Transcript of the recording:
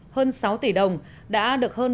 hơn sáu tỷ đồng đã được hơn